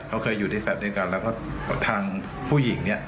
เขาเคยอยู่ในแฟลตด้วยกันแล้วก็ทางผู้หญิงเนี่ย